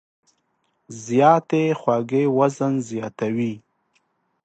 زیاتې خوږې وزن زیاتوي.